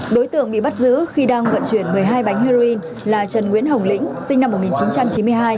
đối tượng bị bắt giữ khi đang vận chuyển một mươi hai bánh heroin là trần nguyễn hồng lĩnh sinh năm một nghìn chín trăm chín mươi hai